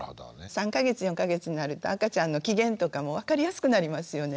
３か月４か月になると赤ちゃんの機嫌とかも分かりやすくなりますよね。